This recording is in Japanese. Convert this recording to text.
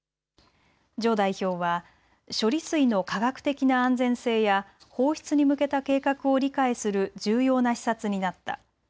徐代表は処理水の科学的な安全性や放出に向けた計画を理解する重要な視察になった。